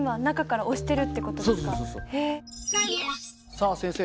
さあ先生